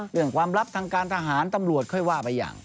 ความลับทางการทหารตำรวจค่อยว่าไปอย่าง